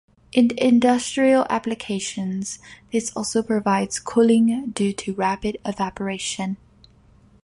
In industrial applications this also provides cooling due to rapid evaporation.